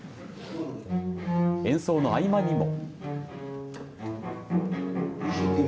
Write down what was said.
演奏の合間にも。